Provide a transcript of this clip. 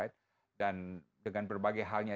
dan dengan berbagai halnya